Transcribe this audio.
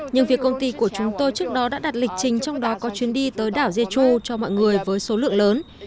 nhưng việc công ty của chúng tôi trước đó đã đặt lịch trình trong đó có chuyến đi tới đảo jetro cho mọi người với số lượng lớn